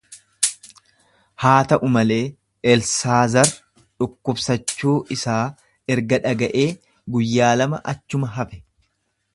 Haa ta'u malee, Elsaazar dhukkubsachuu isaa erga dhaga'ee guyyaa lama achuma hafe.